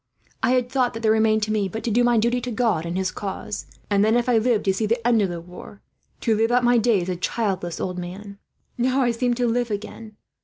I had thought that there remained to me but to do my duty to God, and His cause; and then, if I lived to see the end of the war, to live out my days a childless old man. Now I seem to live again.